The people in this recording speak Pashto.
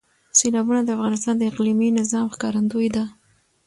سیلابونه د افغانستان د اقلیمي نظام ښکارندوی ده.